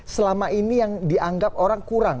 selama ini yang dianggap orang kurang